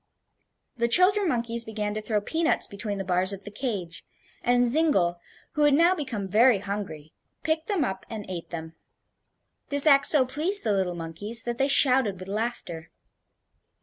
The children monkeys began to throw peanuts between the bars of the cage, and Zingle, who had now become very hungry, picked them up and ate them. This act so pleased the little monkeys that they shouted with laughter.